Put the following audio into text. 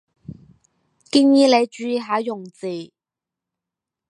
建議你注意下用字